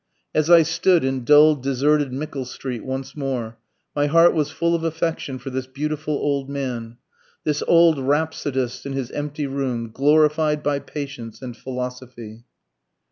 As I stood in dull, deserted Mickle Street once more, my heart was full of affection for this beautiful old man ... this old rhapsodist in his empty room, glorified by patience and philosophy.